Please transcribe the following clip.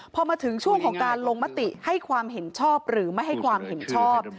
พอมาถึงช่วงของการลงมติให้ความเห็นชอบหรือไม่ให้ความเห็นชอบ